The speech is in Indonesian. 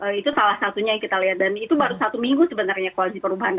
itu salah satunya yang kita lihat dan itu baru satu minggu sebenarnya koalisi perubahan